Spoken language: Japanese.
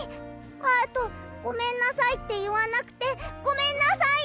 あと「ごめんなさい」っていわなくてごめんなさい！